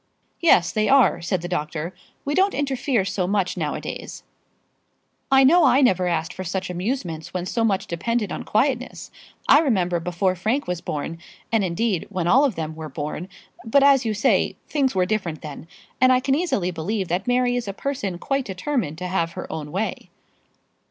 "Yes, they are," said the doctor. "We don't interfere so much now a days." "I know I never asked for such amusements when so much depended on quietness. I remember before Frank was born and, indeed, when all of them were born But as you say, things were different then; and I can easily believe that Mary is a person quite determined to have her own way."